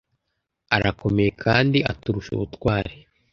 arakomeye kandi aturusha ubutwari